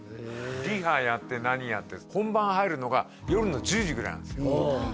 リハやって何やって本番入るのが夜の１０時ぐらいなんです